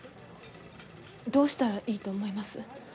どうしたらいいと思います？